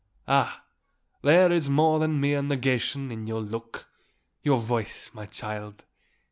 "Ah, there is more than mere negation in your look, your voice, my child.